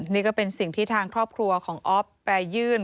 นี่ก็เป็นสิ่งที่ทางครอบครัวของอ๊อฟไปยื่น